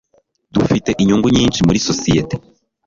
Dufite inyungu nyinshi muri sosiyete